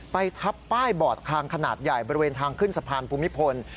ทับป้ายบอดคางขนาดใหญ่บริเวณทางขึ้นสะพานภูมิพล